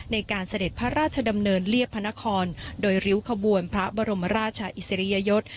เสด็จพระราชดำเนินเรียบพระนครโดยริ้วขบวนพระบรมราชอิสริยยศ